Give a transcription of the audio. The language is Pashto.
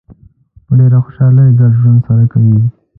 په ډېرې خوشحالۍ ګډ ژوند سره کوي.